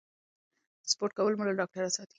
سپورت کول مو له ډاکټره ساتي.